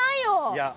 いや。